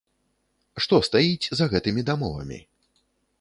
Што стаіць за гэтымі дамовамі?